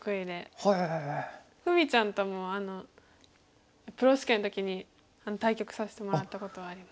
楓実ちゃんともプロ試験の時に対局させてもらったことはあります。